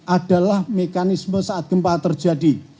adalah mekanisme saat gempa terjadi